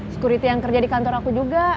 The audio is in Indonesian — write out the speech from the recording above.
security yang kerja di kantor aku juga